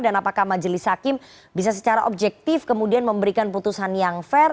dan apakah majelis hakim bisa secara objektif kemudian memberikan putusan yang fair